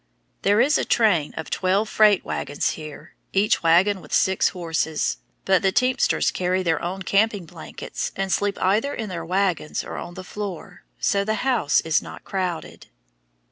There is a train of twelve freight wagons here, each wagon with six horses, but the teamsters carry their own camping blankets and sleep either in their wagons or on the floor, so the house is not crowded.